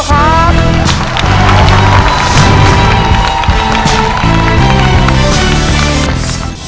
คุณฝนจากชายบรรยาย